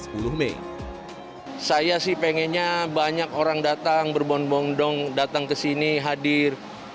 saya sih pengennya banyak orang datang berbondong bondong datang ke sini hadir